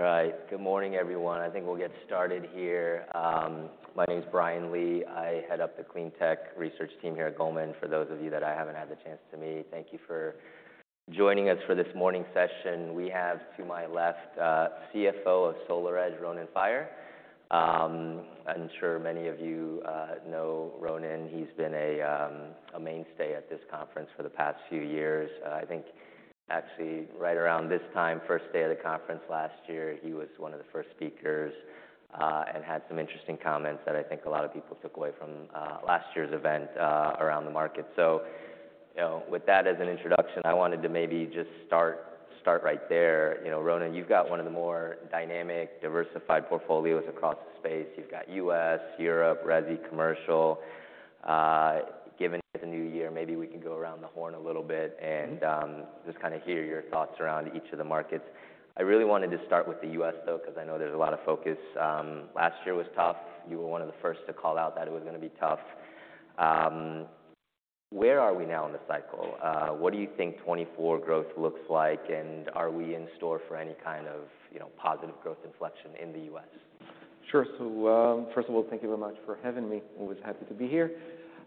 All right. Good morning, everyone. I think we'll get started here. My name is Brian Lee. I head up the Clean Tech research team here at Goldman, for those of you that I haven't had the chance to meet. Thank you for joining us for this morning session. We have to my left, CFO of SolarEdge, Ronen Faier. I'm sure many of you know Ronen. He's been a mainstay at this conference for the past few years. I think actually right around this time, first day of the conference last year, he was one of the first speakers, and had some interesting comments that I think a lot of people took away from, last year's event, around the market. So, you know, with that as an introduction, I wanted to maybe just start right there. You know, Ronen, you've got one of the more dynamic, diversified portfolios across the space. You've got U.S., Europe, resi, commercial. Given it's a new year, maybe we can go around the horn a little bit and- Mm-hmm... just kinda hear your thoughts around each of the markets. I really wanted to start with the US, though, 'cause I know there's a lot of focus. Last year was tough. You were one of the first to call out that it was gonna be tough. Where are we now in the cycle? What do you think 2024 growth looks like, and are we in store for any kind of, you know, positive growth inflection in the US? Sure. So, first of all, thank you very much for having me. Always happy to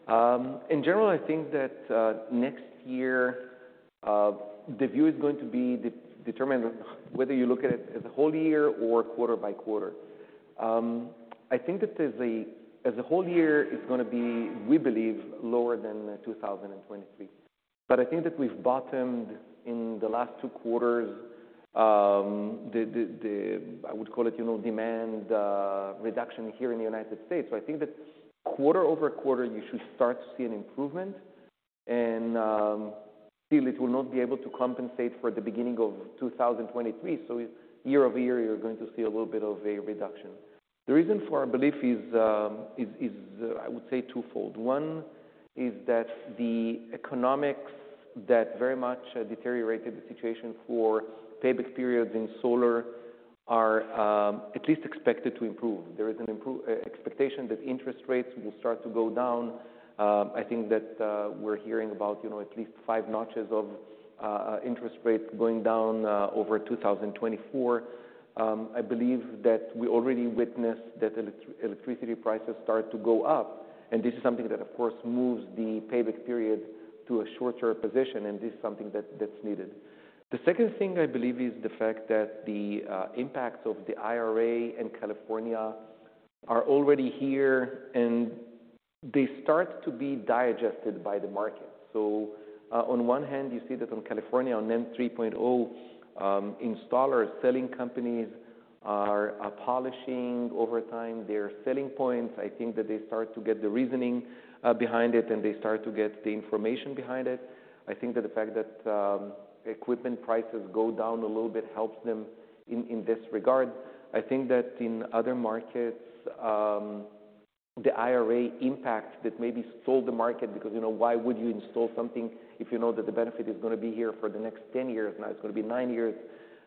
be here. In general, I think that next year the view is going to be determined, whether you look at it as a whole year or quarter by quarter. I think that as a whole year, it's gonna be, we believe, lower than 2023. But I think that we've bottomed in the last two quarters. I would call it, you know, demand reduction here in the United States. So I think that quarter over quarter, you should start to see an improvement, and still it will not be able to compensate for the beginning of 2023, so year over year, you're going to see a little bit of a reduction. The reason for our belief is, I would say twofold. One is that the economics that very much deteriorated the situation for payback periods in solar are at least expected to improve. There is an expectation that interest rates will start to go down. I think that we're hearing about, you know, at least five notches of interest rates going down over 2024. I believe that we already witnessed that electricity prices start to go up, and this is something that, of course, moves the payback period to a shorter position, and this is something that's needed. The second thing, I believe, is the fact that the impacts of the IRA in California are already here, and they start to be digested by the market. So, on one hand, you see that in California, on NEM 3.0, installers, selling companies are polishing over time their selling points. I think that they start to get the reasoning behind it, and they start to get the information behind it. I think that the fact that equipment prices go down a little bit helps them in this regard. I think that in other markets, the IRA impact that maybe stalled the market because, you know, why would you install something if you know that the benefit is gonna be here for the next ten years, now it's gonna be nine years?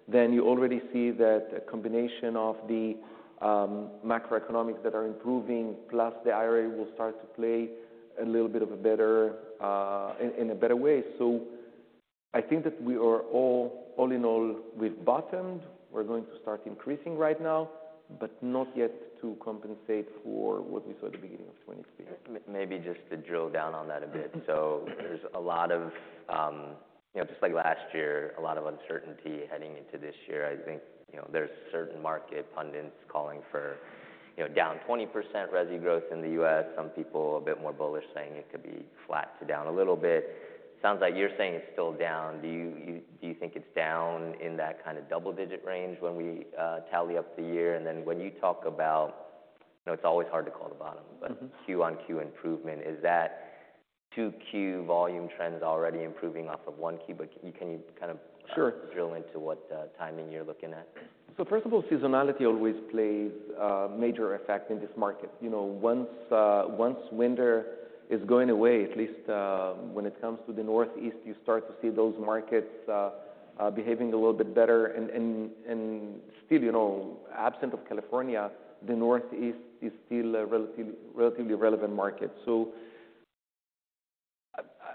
Then you already see that a combination of the macroeconomics that are improving, plus the IRA will start to play a little bit of a better in a better way. So I think that we are all... All in all, we've bottomed. We're going to start increasing right now, but not yet to compensate for what we saw at the beginning of 2023. Maybe just to drill down on that a bit. Mm-hmm. So there's a lot of, you know, just like last year, a lot of uncertainty heading into this year. I think, you know, there's certain market pundits calling for, you know, down 20% resi growth in the U.S. Some people a bit more bullish, saying it could be flat to down a little bit. Sounds like you're saying it's still down. Do you think it's down in that kind of double-digit range when we tally up the year? And then when you talk about... You know, it's always hard to call the bottom- Mm-hmm... but Q-on-Q improvement, is that 2Q volume trends already improving off of 1Q? But can you, can you kind of- Sure... drill into what, timing you're looking at? So first of all, seasonality always plays a major effect in this market. You know, once winter is going away, at least when it comes to the Northeast, you start to see those markets behaving a little bit better. And still, you know, absent of California, the Northeast is still a relatively, relatively relevant market. So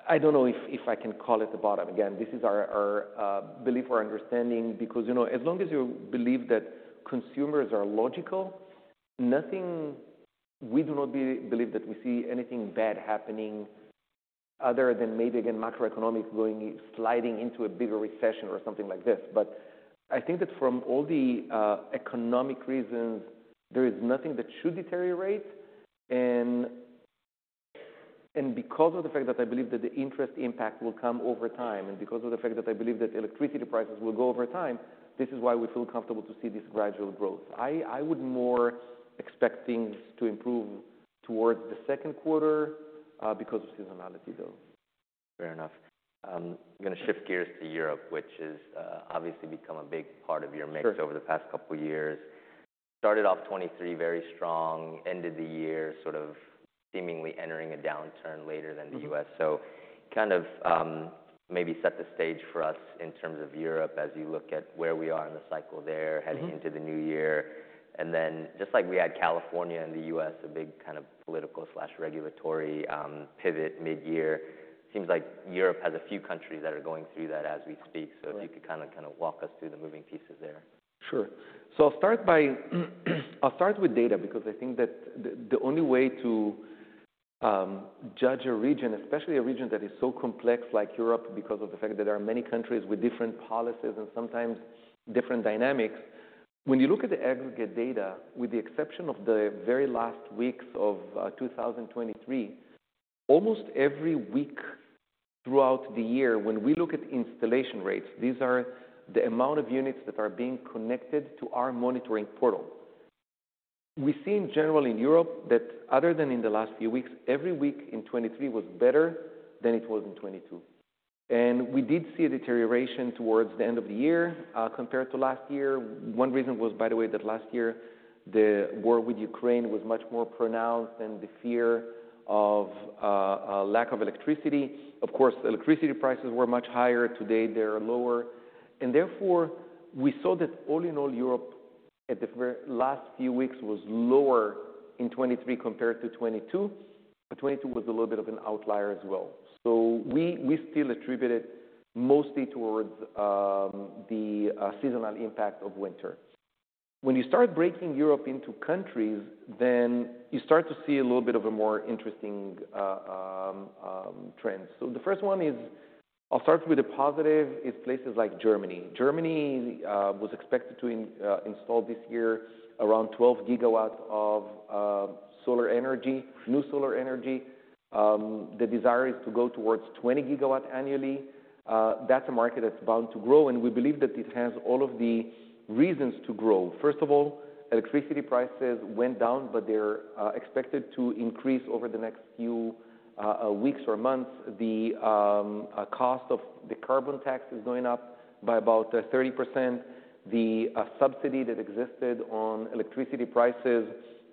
I don't know if I can call it the bottom. Again, this is our belief or understanding, because, you know, as long as you believe that consumers are logical, nothing. We do not believe that we see anything bad happening other than maybe, again, macroeconomics going, sliding into a bigger recession or something like this. But I think that from all the economic reasons, there is nothing that should deteriorate. And because of the fact that I believe that the interest impact will come over time, and because of the fact that I believe that electricity prices will go over time, this is why we feel comfortable to see this gradual growth. I would more expect things to improve towards the second quarter, because of seasonality, though. Fair enough. I'm gonna shift gears to Europe, which has, obviously become a big part of your mix- Sure... over the past couple of years. Started off 2023 very strong, ended the year sort of seemingly entering a downturn later than the- Mm-hmm... U.S. So kind of, maybe set the stage for us in terms of Europe as you look at where we are in the cycle there- Mm-hmm... heading into the new year. And then, just like we had California and the U.S., a big kind of political/regulatory, pivot mid-year, seems like Europe has a few countries that are going through that as we speak. Right. So if you could kinda walk us through the moving pieces there? Sure. So I'll start with data, because I think that the only way to judge a region, especially a region that is so complex like Europe, because of the fact that there are many countries with different policies and sometimes different dynamics. When you look at the aggregate data, with the exception of the very last weeks of 2023, almost every week throughout the year, when we look at installation rates, these are the amount of units that are being connected to our monitoring portal. We see in general in Europe, that other than in the last few weeks, every week in 2023 was better than it was in 2022. And we did see a deterioration towards the end of the year, compared to last year. One reason was, by the way, that last year, the war with Ukraine was much more pronounced, and the fear of a lack of electricity. Of course, electricity prices were much higher, today they're lower. And therefore, we saw that all in all, Europe at the very last few weeks was lower in 2023 compared to 2022. But 2022 was a little bit of an outlier as well. So we still attribute it mostly towards the seasonal impact of winter. When you start breaking Europe into countries, then you start to see a little bit of a more interesting trend. So the first one is... I'll start with a positive, is places like Germany. Germany was expected to install this year around 12 gigawatts of solar energy, new solar energy. The desire is to go towards 20 GW annually. That's a market that's bound to grow, and we believe that it has all of the reasons to grow. First of all, electricity prices went down, but they're expected to increase over the next few weeks or months. The cost of the carbon tax is going up by about 30%. The subsidy that existed on electricity prices,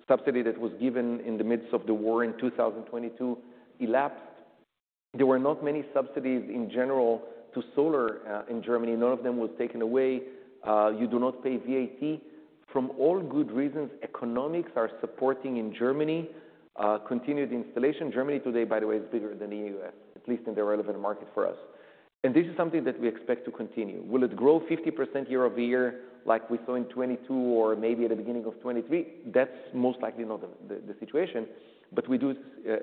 subsidy that was given in the midst of the war in 2022, elapsed. There were not many subsidies in general to solar in Germany. None of them was taken away. You do not pay VAT. From all good reasons, economics are supporting in Germany continued installation. Germany today, by the way, is bigger than the U.S., at least in the relevant market for us, and this is something that we expect to continue. Will it grow 50% year-over-year like we saw in 2022 or maybe at the beginning of 2023? That's most likely not the situation, but we do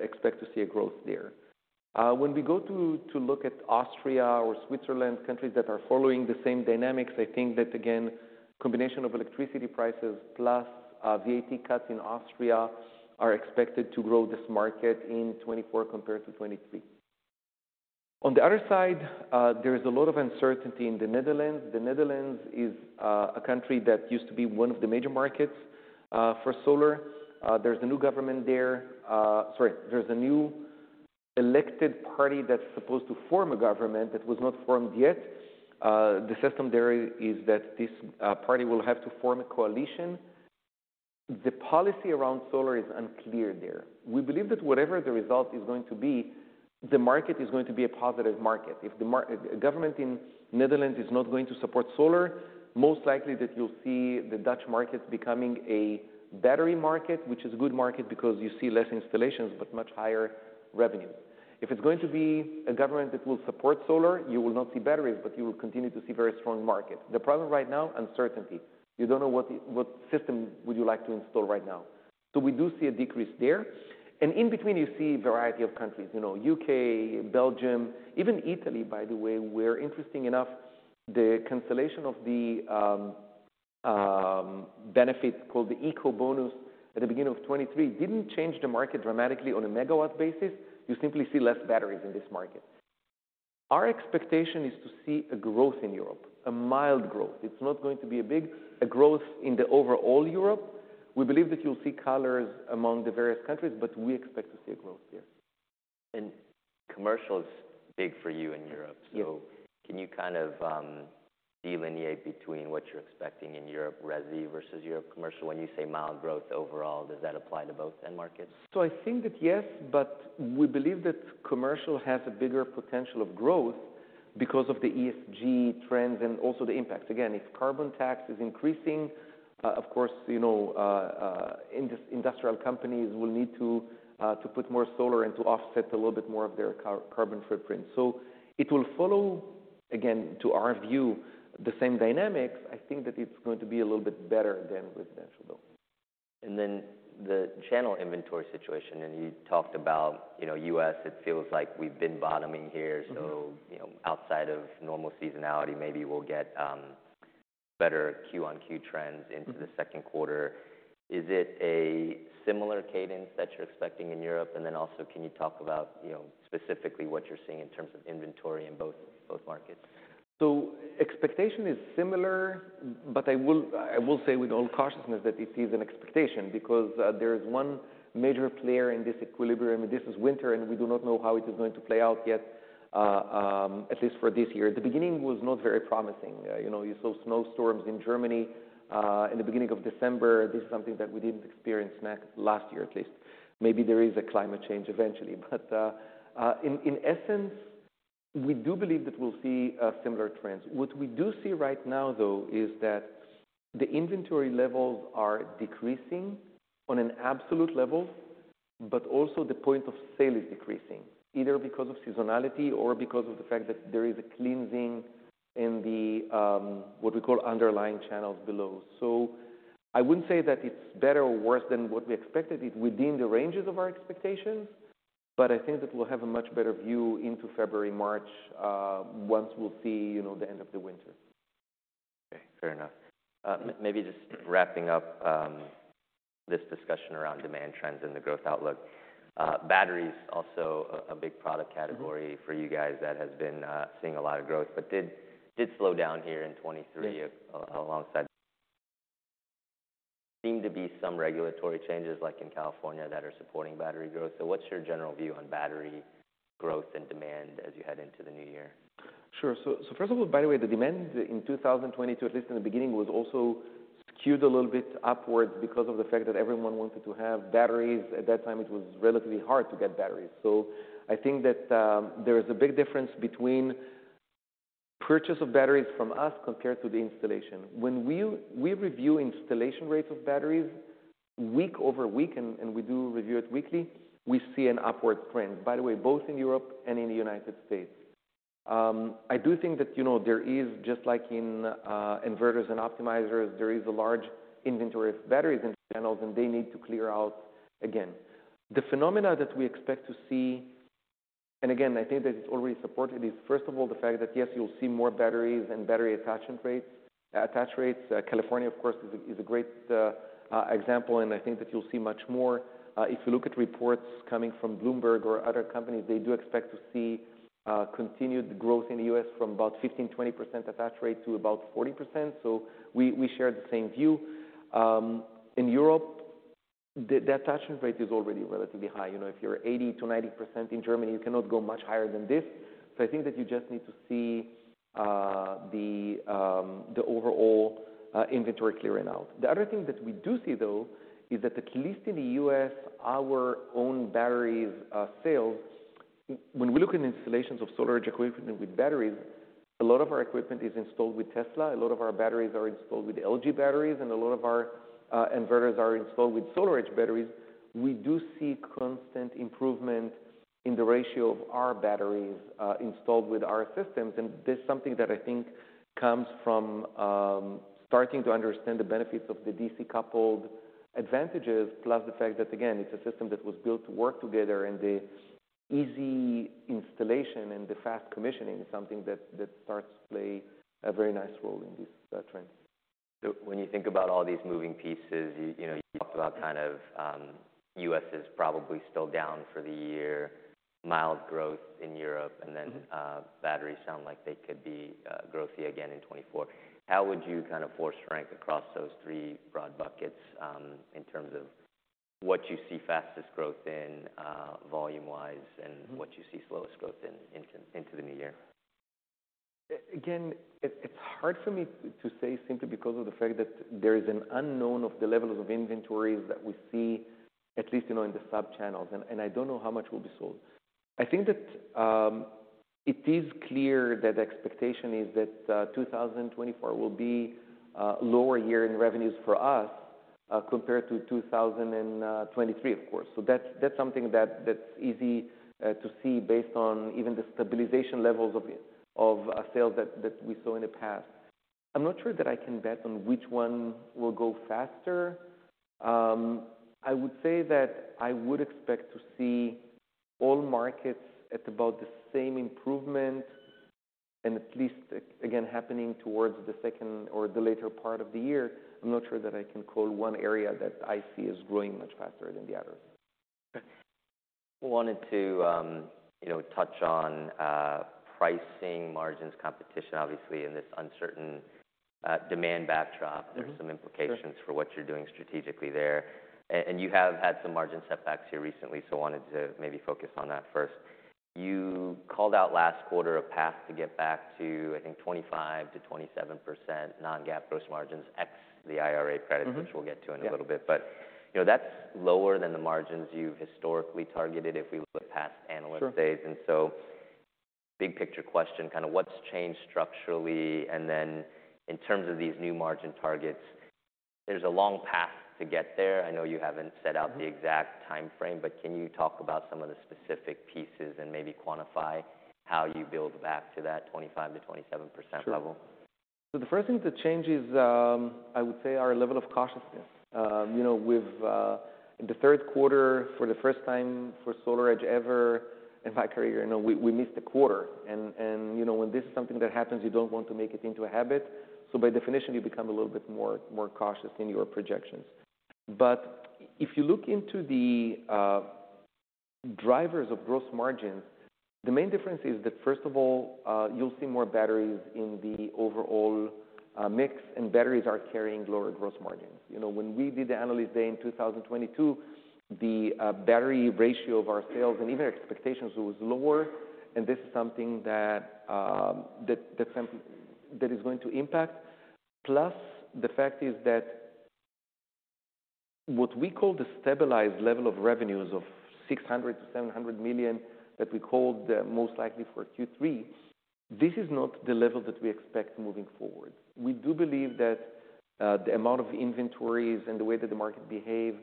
expect to see a growth there. When we go to look at Austria or Switzerland, countries that are following the same dynamics, I think that again, combination of electricity prices plus VAT cuts in Austria, are expected to grow this market in 2024 compared to 2023. On the other side, there is a lot of uncertainty in the Netherlands. The Netherlands is a country that used to be one of the major markets for solar. There's a new government there... Sorry, there's a new elected party that's supposed to form a government, that was not formed yet. The system there is that this party will have to form a coalition. The policy around solar is unclear there. We believe that whatever the result is going to be, the market is going to be a positive market. If the government in Netherlands is not going to support solar, most likely that you'll see the Dutch market becoming a battery market, which is a good market because you see less installations but much higher revenue. If it's going to be a government that will support solar, you will not see batteries, but you will continue to see very strong market. The problem right now, uncertainty. You don't know what system would you like to install right now. So we do see a decrease there. In between, you see a variety of countries, you know, U.K., Belgium, even Italy, by the way, where interestingly enough, the cancellation of the benefit, called the Ecobonus at the beginning of 2023, didn't change the market dramatically on a megawatt basis. You simply see less batteries in this market. Our expectation is to see a growth in Europe, a mild growth. It's not going to be a big growth in the overall Europe. We believe that you'll see colors among the various countries, but we expect to see a growth here. Commercial is big for you in Europe. Yeah. So can you kind of, delineate between what you're expecting in Europe resi versus Europe commercial? When you say mild growth overall, does that apply to both end markets? So I think that, yes, but we believe that commercial has a bigger potential of growth because of the ESG trends and also the impact. Again, if Carbon tax is increasing, of course, you know, industrial companies will need to put more solar and to offset a little bit more of their carbon footprint. So it will follow, again, to our view, the same dynamics. I think that it's going to be a little bit better than residential, though. And then the channel inventory situation, and you talked about, you know, U.S., it feels like we've been bottoming here. Mm-hmm. So, you know, outside of normal seasonality, maybe we'll get better Q-on-Q trends- Mm-hmm... into the second quarter. Is it a similar cadence that you're expecting in Europe? And then also, can you talk about, you know, specifically what you're seeing in terms of inventory in both, both markets? So expectation is similar, but I will, I will say with all cautiousness, that this is an expectation because there is one major player in this equilibrium. This is winter, and we do not know how it is going to play out yet, at least for this year. The beginning was not very promising. You know, you saw snowstorms in Germany, in the beginning of December. This is something that we didn't experience last year, at least. Maybe there is a climate change eventually. But, in essence, we do believe that we'll see similar trends. What we do see right now, though, is that the inventory levels are decreasing on an absolute level, but also the point of sale is decreasing, either because of seasonality or because of the fact that there is a cleansing in the what we call underlying channels below. I wouldn't say that it's better or worse than what we expected. It's within the ranges of our expectations, but I think that we'll have a much better view into February, March, once we'll see, you know, the end of the winter. Okay, fair enough. Maybe just wrapping up this discussion around demand trends and the growth outlook. Battery is also a big product category- Mm-hmm. for you guys that has been seeing a lot of growth, but did slow down here in 2023- Yes. Seem to be some regulatory changes, like in California, that are supporting battery growth. So what's your general view on battery growth and demand as you head into the new year? Sure. So, so first of all, by the way, the demand in 2022, at least in the beginning, was also skewed a little bit upwards because of the fact that everyone wanted to have batteries. At that time, it was relatively hard to get batteries. So I think that, there is a big difference between purchase of batteries from us compared to the installation. When we, we review installation rates of batteries week over week, and, and we do review it weekly, we see an upward trend, by the way, both in Europe and in the United States. I do think that, you know, there is, just like in, inverters and optimizers, there is a large inventory of batteries and panels, and they need to clear out again. The phenomena that we expect to see, and again, I think that it's already supported, is first of all, the fact that, yes, you'll see more batteries and battery attachment rates, attach rates. California, of course, is a great example, and I think that you'll see much more. If you look at reports coming from Bloomberg or other companies, they do expect to see continued growth in the U.S. from about 15%-20% attach rate to about 40%, so we share the same view. In Europe, the attachment rate is already relatively high. You know, if you're 80%-90% in Germany, you cannot go much higher than this. So I think that you just need to see the overall inventory clearing out. The other thing that we do see, though, is that at least in the U.S., our own batteries sales. When we look at installations of SolarEdge equipment with batteries, a lot of our equipment is installed with Tesla, a lot of our batteries are installed with LG batteries, and a lot of our inverters are installed with SolarEdge batteries. We do see constant improvement in the ratio of our batteries installed with our systems, and this is something that I think comes from starting to understand the benefits of the DC-coupled advantages, plus the fact that, again, it's a system that was built to work together, and the easy installation and the fast commissioning is something that starts to play a very nice role in this trend. So when you think about all these moving pieces, you know, you talked about kind of, U.S. is probably still down for the year, mild growth in Europe, and then. Mm-hmm. Batteries sound like they could be growthy again in 2024. How would you kind of force rank across those three broad buckets in terms of what you see fastest growth in volume-wise? Mm-hmm. What you see slowest growth in into the new year? Again, it's hard for me to say simply because of the fact that there is an unknown of the levels of inventories that we see, at least, you know, in the sub-channels, and I don't know how much will be sold. I think that it is clear that the expectation is that 2024 will be a lower year in revenues for us compared to 2023, of course. So that's something that's easy to see based on even the stabilization levels of it, of sales that we saw in the past. I'm not sure that I can bet on which one will go faster. I would say that I would expect to see all markets at about the same improvement and at least again, happening towards the second or the later part of the year. I'm not sure that I can call one area that I see as growing much faster than the other. Okay. Wanted to, you know, touch on, pricing, margins, competition. Obviously, in this uncertain, demand backdrop- Mm-hmm. There’s some implications. Sure -for what you're doing strategically there. And you have had some margin setbacks here recently, so wanted to maybe focus on that first. You called out last quarter a path to get back to, I think, 25%-27% non-GAAP gross margins X the IRA credits- Mm-hmm. which we'll get to in a little bit. Yeah. But, you know, that's lower than the margins you've historically targeted if we look at past analyst days. Sure. Big picture question, kind of what's changed structurally? In terms of these new margin targets, there's a long path to get there. I know you haven't set out the exact timeframe, but can you talk about some of the specific pieces and maybe quantify how you build back to that 25%-27% level? Sure. So the first thing to change is, I would say, our level of cautiousness. You know, with... In the third quarter, for the first time for SolarEdge ever, in my career, you know, we, we missed a quarter. And, and, you know, when this is something that happens, you don't want to make it into a habit. So by definition, you become a little bit more, more cautious in your projections. But if you look into the drivers of gross margins, the main difference is that, first of all, you'll see more batteries in the overall mix, and batteries are carrying lower gross margins. You know, when we did the Analyst Day in 2022, the battery ratio of our sales and even expectations was lower, and this is something that, that is going to impact. Plus, the fact is that what we call the stabilized level of revenues of $600 million-$700 million, that we called the most likely for Q3, this is not the level that we expect moving forward. We do believe that, the amount of inventories and the way that the market behaves,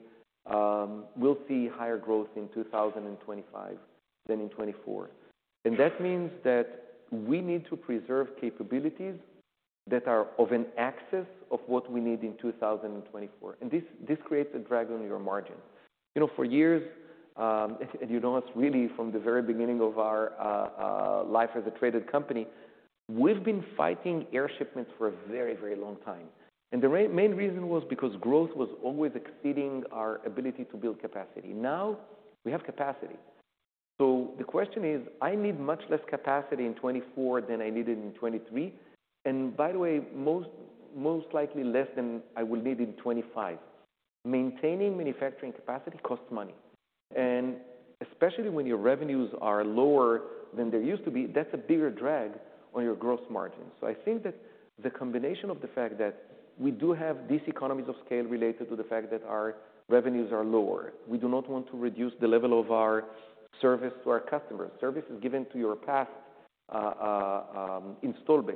we'll see higher growth in 2025 than in 2024. That means that we need to preserve capabilities that are in excess of what we need in 2024, and this creates a drag on our margin. You know, for years, and, and you know, it's really from the very beginning of our life as a traded company, we've been fighting air shipments for a very, very long time, and the main reason was because growth was always exceeding our ability to build capacity. Now, we have capacity. So the question is: I need much less capacity in 2024 than I needed in 2023, and by the way, most likely less than I will need in 2025. Maintaining manufacturing capacity costs money, and especially when your revenues are lower than they used to be, that's a bigger drag on your gross margin. So I think that the combination of the fact that we do have these economies of scale related to the fact that our revenues are lower, we do not want to reduce the level of our service to our customers. Service is given to our installed base.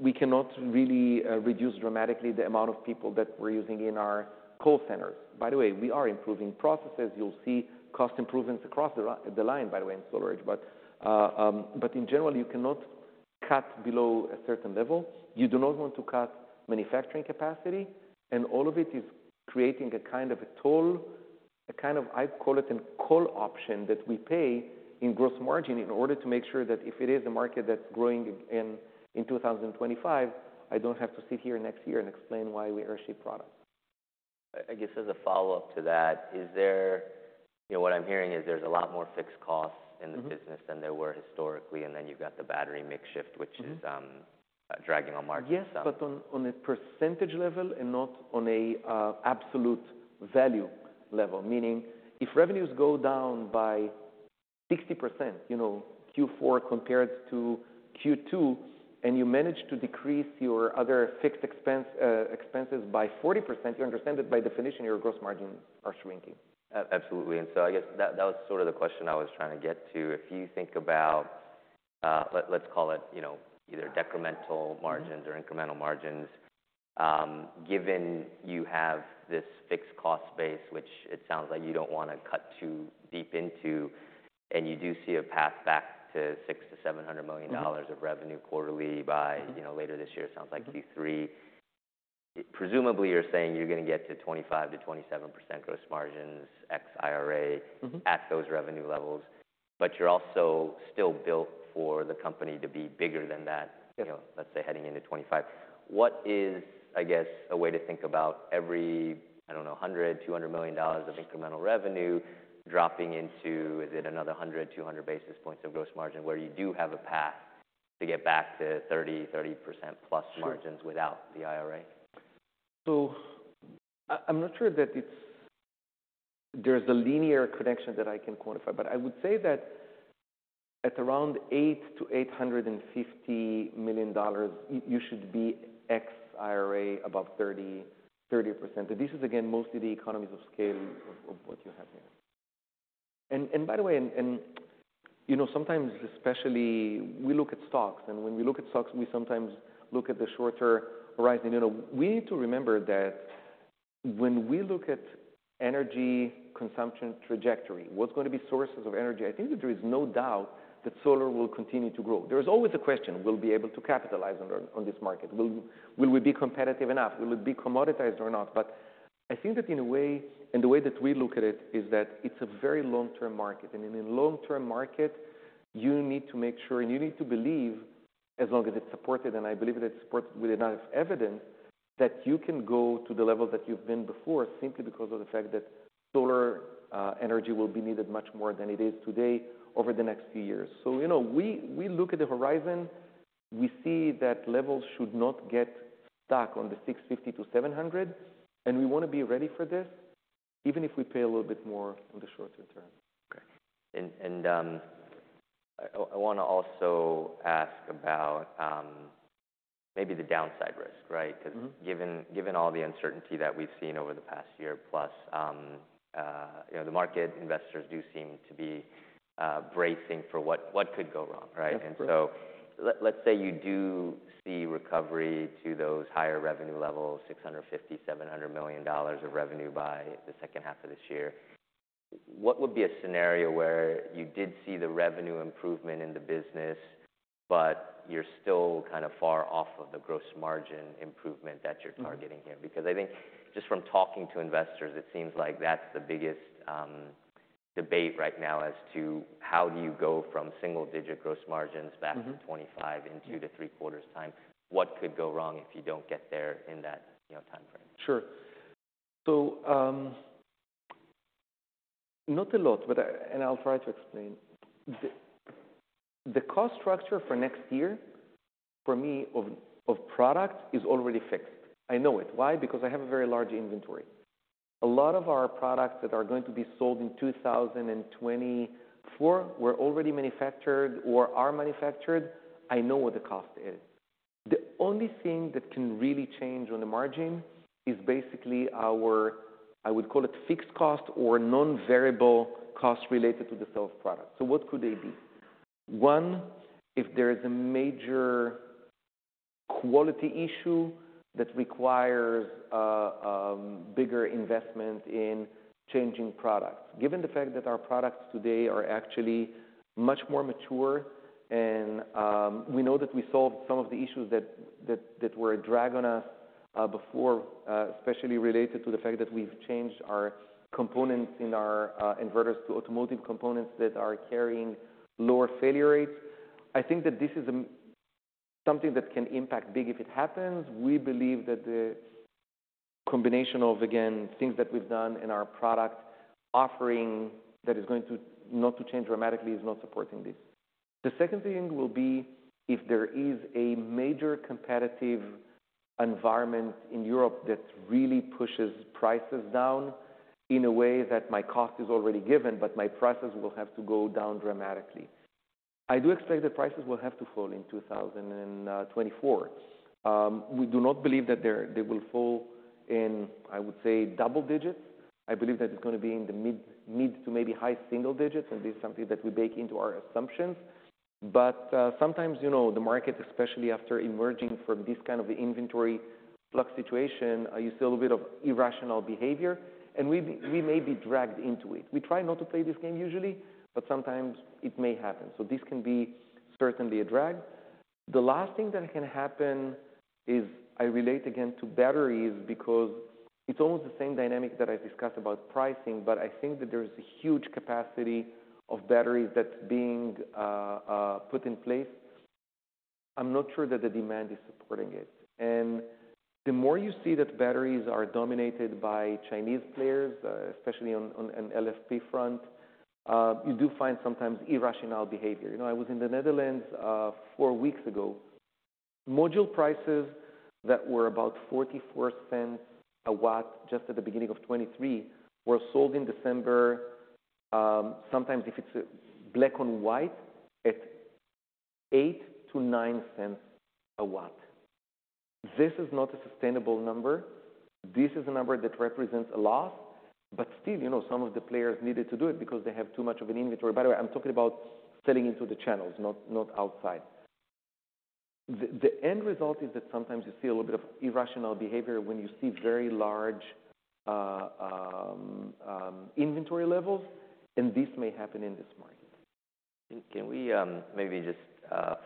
We cannot really reduce dramatically the amount of people that we're using in our call centers. By the way, we are improving processes. You'll see cost improvements across the line, by the way, in SolarEdge. But in general, you cannot cut below a certain level. You do not want to cut manufacturing capacity, and all of it is creating a kind of a toll, a kind of... I call it a call option that we pay in gross margin in order to make sure that if it is a market that's growing in 2025, I don't have to sit here next year and explain why we air ship products. I guess as a follow-up to that, is there, you know, what I'm hearing is there's a lot more fixed costs- Mm-hmm. in the business than there were historically, and then you've got the battery mix shift, which is- Mm-hmm... dragging on margin. Yes, but on a percentage level and not on a absolute value level. Meaning, if revenues go down by 60%, you know, Q4 compared to Q2, and you manage to decrease your other fixed expenses by 40%, you understand that by definition, your gross margins are shrinking. Absolutely. And so I guess that, that was sort of the question I was trying to get to. If you think about, let's call it, you know, either decremental margins- Mm-hmm —or incremental margins, given you have this fixed cost base, which it sounds like you don't wanna cut too deep into, and you do see a path back to $600 million-$700 million- Mm-hmm of revenue quarterly by Mm-hmm You know, later this year, it sounds like Q3. Presumably, you're saying you're gonna get to 25%-27% gross margins, ex IRA- Mm-hmm At those revenue levels, but you're also still built for the company to be bigger than that. Yes. You know, let's say, heading into 25. What is, I guess, a way to think about every, I don't know, $100-$200 million of incremental revenue dropping into, is it another 100-200 basis points of gross margin, where you do have a path to get back to 30-30% plus margins- Sure Without the IRA? So I, I'm not sure that it's—there's a linear connection that I can quantify, but I would say that at around $800 million-$850 million, you should be ex-IRA above 30, 30%. And this is, again, mostly the economies of scale of what you have here. And by the way, you know, sometimes especially we look at stocks, and when we look at stocks, we sometimes look at the shorter horizon. You know, we need to remember that when we look at energy consumption trajectory, what's going to be sources of energy? I think that there is no doubt that solar will continue to grow. There is always a question: Will we be able to capitalize on this market? Will we be competitive enough? Will it be commoditized or not? But I think that in a way, and the way that we look at it, is that it's a very long-term market. In a long-term market, you need to make sure and you need to believe, as long as it's supported, and I believe that it's supported with enough evidence, that you can go to the level that you've been before simply because of the fact that solar energy will be needed much more than it is today over the next few years. So you know, we, we look at the horizon, we see that levels should not get stuck on the $650-$700, and we wanna be ready for this, even if we pay a little bit more in the short term. Okay. I wanna also ask about maybe the downside risk, right? Mm-hmm. 'Cause given all the uncertainty that we've seen over the past year, plus, you know, the market, investors do seem to be bracing for what could go wrong, right? That's correct. And so let's say you do see recovery to those higher revenue levels, $650 million-$700 million of revenue by the second half of this year. What would be a scenario where you did see the revenue improvement in the business, but you're still kind of far off of the gross margin improvement that you're- Mm-hmm -targeting here? Because I think just from talking to investors, it seems like that's the biggest debate right now as to how do you go from single digit gross margins- Mm-hmm -back to 25 in 2-3 quarters time. What could go wrong if you don't get there in that, you know, timeframe? Sure. So, not a lot, but I'll try to explain. The cost structure for next year, for me, of product is already fixed. I know it. Why? Because I have a very large inventory. A lot of our products that are going to be sold in 2024 were already manufactured or are manufactured. I know what the cost is. The only thing that can really change on the margin is basically our, I would call it, fixed cost or non-variable costs related to the sale of product. So what could they be? One, if there is a major quality issue that requires bigger investment in changing products. Given the fact that our products today are actually much more mature and, we know that we solved some of the issues that were a drag on us, before, especially related to the fact that we've changed our components in our, inverters to automotive components that are carrying lower failure rates. I think that this is something that can impact big if it happens. We believe that the combination of, again, things that we've done in our product offering that is going to not to change dramatically, is not supporting this. The second thing will be if there is a major competitive environment in Europe that really pushes prices down in a way that my cost is already given, but my prices will have to go down dramatically. I do expect that prices will have to fall in 2024. We do not believe that they will fall in, I would say, double digits. I believe that it's gonna be in the mid to maybe high single digits, and this is something that we bake into our assumptions. But sometimes, you know, the market, especially after emerging from this kind of inventory flux situation, you see a little bit of irrational behavior, and we may be dragged into it. We try not to play this game usually, but sometimes it may happen, so this can be certainly a drag. The last thing that can happen is I relate again to batteries, because it's almost the same dynamic that I've discussed about pricing, but I think that there's a huge capacity of batteries that's being put in place. I'm not sure that the demand is supporting it. The more you see that batteries are dominated by Chinese players, especially on an LFP front, you do find sometimes irrational behavior. You know, I was in the Netherlands four weeks ago. Module prices that were about $0.44/W, just at the beginning of 2023, were sold in December, sometimes if it's black on white, at $0.08-$0.09/W. This is not a sustainable number. This is a number that represents a loss, but still, you know, some of the players needed to do it because they have too much of an inventory. By the way, I'm talking about selling into the channels, not outside. The end result is that sometimes you see a little bit of irrational behavior when you see very large inventory levels, and this may happen in this market. Can we, maybe just,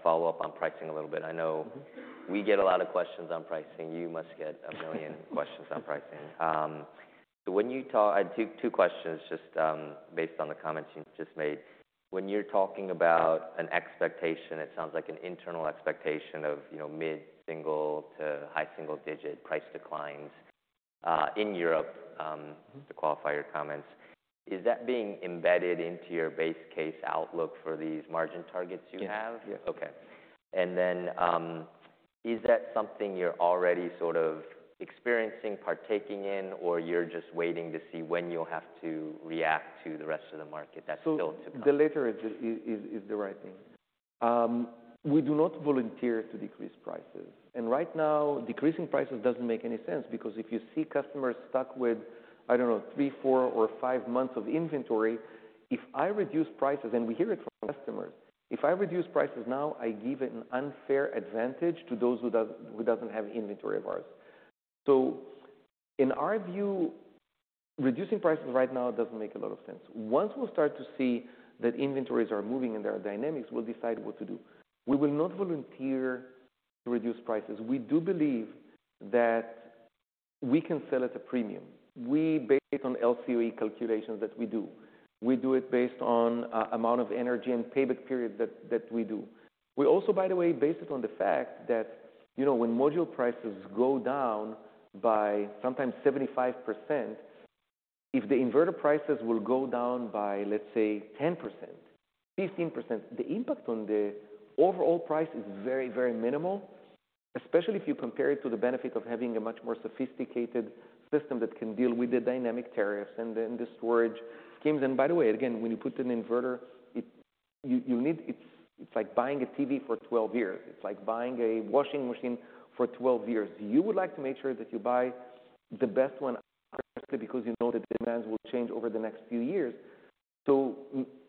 follow up on pricing a little bit? I know- Mm-hmm. -We get a lot of questions on pricing. You must get a million questions on pricing. So when you talk, two questions, just based on the comments you've just made. When you're talking about an expectation, it sounds like an internal expectation of, you know, mid-single to high single digit price declines in Europe. Mm-hmm. To qualify your comments. Is that being embedded into your base case outlook for these margin targets you have? Yes. Yes. Okay. And then, is that something you're already sort of experiencing, partaking in, or you're just waiting to see when you'll have to react to the rest of the market that's still to come? So the latter is the right thing. We do not volunteer to decrease prices, and right now, decreasing prices doesn't make any sense, because if you see customers stuck with, I don't know, three, four, or five months of inventory, if I reduce prices, and we hear it from customers, if I reduce prices now, I give an unfair advantage to those who doesn't have inventory of ours. So in our view, reducing prices right now doesn't make a lot of sense. Once we start to see that inventories are moving and there are dynamics, we'll decide what to do. We will not volunteer to reduce prices. We do believe that we can sell at a premium. We based on LCOE calculations that we do. We do it based on amount of energy and payment period that we do. We also, by the way, base it on the fact that, you know, when module prices go down by sometimes 75%, if the inverter prices will go down by, let's say, 10%, 15%, the impact on the overall price is very, very minimal, especially if you compare it to the benefit of having a much more sophisticated system that can deal with the dynamic tariffs and the storage schemes. And by the way, again, when you put an inverter, you need—it's like buying a TV for 12 years. It's like buying a washing machine for 12 years. You would like to make sure that you buy the best one, because you know the demands will change over the next few years. So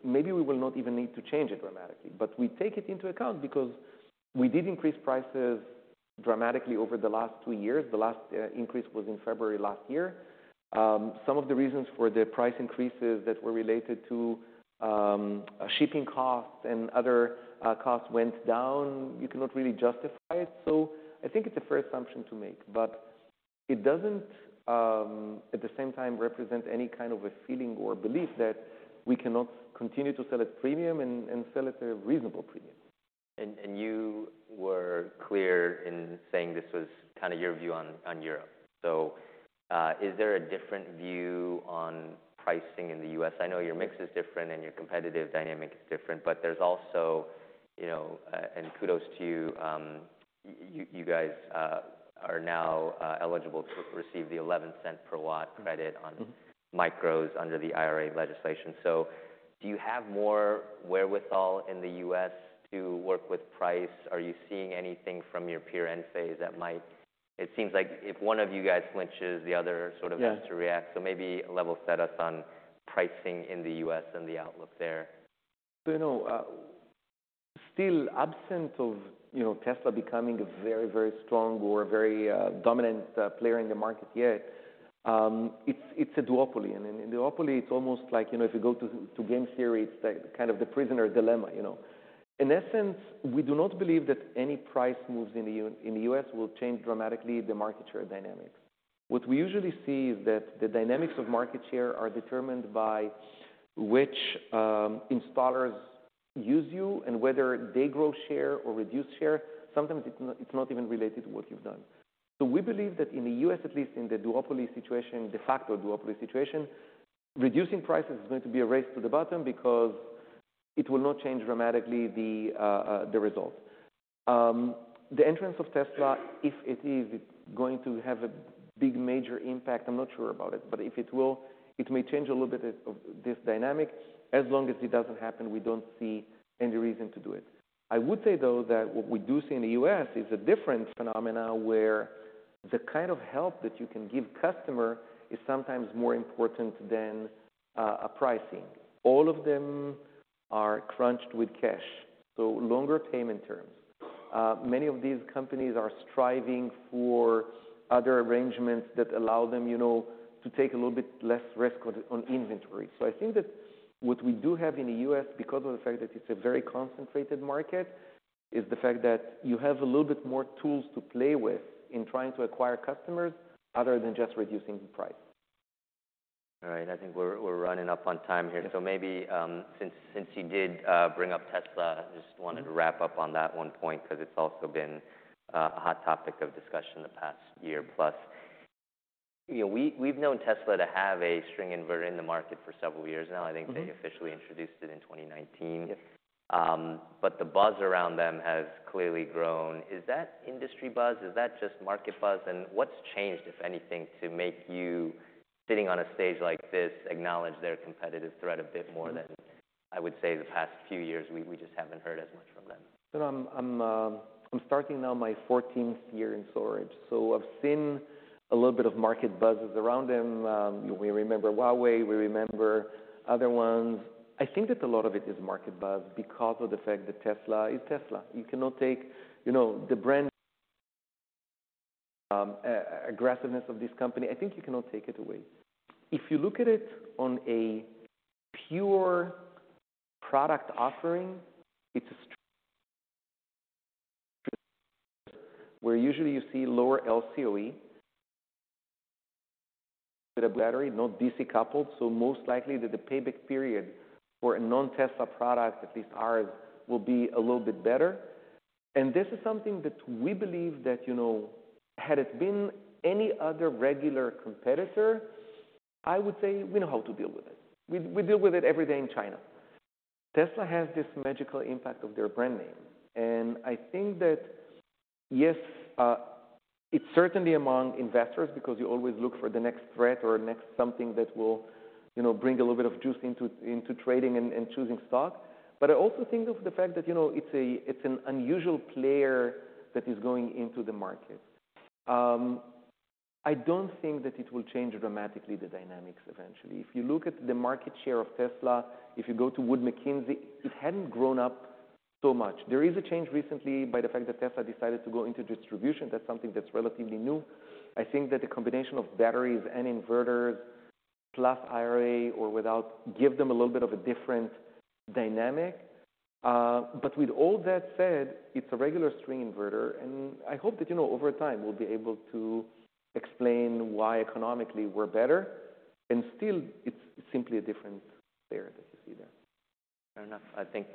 maybe we will not even need to change it dramatically. But we take it into account because we did increase prices dramatically over the last two years. The last increase was in February last year. Some of the reasons for the price increases that were related to shipping costs and other costs went down, you cannot really justify it. So I think it's a fair assumption to make, but it doesn't at the same time represent any kind of a feeling or belief that we cannot continue to sell at premium and sell at a reasonable premium. You were clear in saying this was kind of your view on Europe. So, is there a different view on pricing in the U.S.? I know your mix is different and your competitive dynamic is different, but there's also, you know... And kudos to you, you guys are now eligible to receive the $0.11 per watt credit on- Mm-hmm Micros under the IRA legislation. So do you have more wherewithal in the U.S. to work with price? Are you seeing anything from your peer, Enphase, that might... It seems like if one of you guys flinches, the other sort of- Yeah has to react. So maybe level set us on pricing in the U.S. and the outlook there.... So, you know, still absent of, you know, Tesla becoming a very, very strong or very, dominant, player in the market yet, it's a duopoly. And in a duopoly, it's almost like, you know, if you go to game theory, it's like kind of the prisoner dilemma, you know? In essence, we do not believe that any price moves in the U.S. will change dramatically the market share dynamics. What we usually see is that the dynamics of market share are determined by which installers use you and whether they grow share or reduce share. Sometimes it's not even related to what you've done. We believe that in the U.S., at least in the duopoly situation, de facto duopoly situation, reducing prices is going to be a race to the bottom because it will not change dramatically the results. The entrance of Tesla, if it is going to have a big, major impact, I'm not sure about it, but if it will, it may change a little bit of, of this dynamic. As long as it doesn't happen, we don't see any reason to do it. I would say, though, that what we do see in the U.S. is a different phenomenon where the kind of help that you can give customer is sometimes more important than a pricing. All of them are crunched for cash, so longer payment terms. Many of these companies are striving for other arrangements that allow them, you know, to take a little bit less risk on inventory. So I think that what we do have in the U.S., because of the fact that it's a very concentrated market, is the fact that you have a little bit more tools to play with in trying to acquire customers, other than just reducing the price. All right. I think we're running up on time here. So maybe since you did bring up Tesla, I just wanted to wrap up on that one point, 'cause it's also been a hot topic of discussion in the past year plus. You know, we've known Tesla to have a string inverter in the market for several years now. Mm-hmm. I think they officially introduced it in 2019. Yes. But the buzz around them has clearly grown. Is that industry buzz? Is that just market buzz? And what's changed, if anything, to make you, sitting on a stage like this, acknowledge their competitive threat a bit more than I would say the past few years? We just haven't heard as much from them? So I'm starting now my fourteenth year in storage, so I've seen a little bit of market buzzes around them. We remember Huawei, we remember other ones. I think that a lot of it is market buzz because of the fact that Tesla is Tesla. You cannot take, you know, the brand, aggressiveness of this company. I think you cannot take it away. If you look at it on a pure product offering, it's a where usually you see lower LCOE. With a battery, no DC-coupled, so most likely that the payback period for a non-Tesla product, at least ours, will be a little bit better. And this is something that we believe that, you know, had it been any other regular competitor, I would say we know how to deal with it. We deal with it every day in China. Tesla has this magical impact of their brand name, and I think that, yes, it's certainly among investors, because you always look for the next threat or next something that will, you know, bring a little bit of juice into trading and choosing stock. But I also think of the fact that, you know, it's an unusual player that is going into the market. I don't think that it will change dramatically the dynamics eventually. If you look at the market share of Tesla, if you go to Wood Mackenzie, it hadn't grown up so much. There is a change recently by the fact that Tesla decided to go into distribution. That's something that's relatively new. I think that the combination of batteries and inverters, plus IRA or without, give them a little bit of a different dynamic. But with all that said, it's a regular string inverter, and I hope that, you know, over time we'll be able to explain why economically we're better, and still, it's simply a different player that you see there. Fair enough. I think,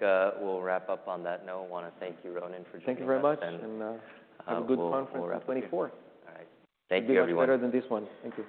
we'll wrap up on that note. I wanna thank you, Ronen, for joining us and- Thank you very much, and have a good conference in 2024. All right. Thank you, everyone. Much better than this one. Thank you.